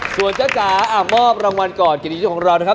ส่วนเจ๊ก่าอ่ามอบรางวัลกรรมกิจของเรา